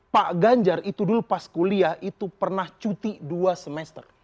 pak ganjar itu dulu pas kuliah itu pernah cuti dua semester